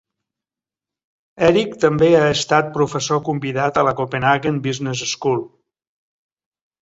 Erik també ha estat professor convidat a la Copenhagen Business School.